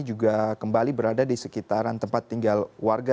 juga kembali berada di sekitaran tempat tinggal warga